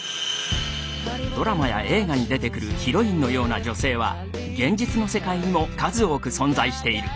ドラマや映画に出てくるヒロインのような女性は現実の世界にも数多く存在している。